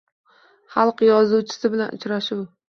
Xalq yozuvchisi bilan uchrashuvng